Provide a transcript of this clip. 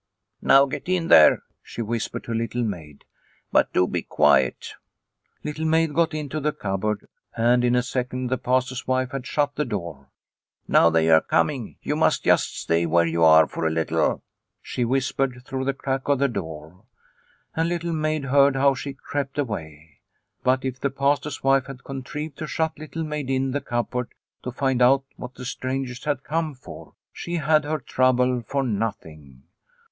" Now get in there," she whispered to Little Maid ;" but do be quiet." Little Maid got into the cupboard and in a second the Pastor's wife had shut the door. " Now they are coming. You must just stay where you are for a little," she whispered through the crack of the door. And Little Maid heard how she crept away. But if the Pastor's wife had contrived to shut Little Maid in the cupboard to find out what the strangers had come for, she had her trouble for nothing.